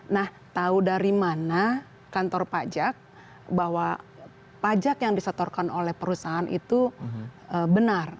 nah tahu dari mana kantor pajak bahwa pajak yang disetorkan oleh perusahaan itu benar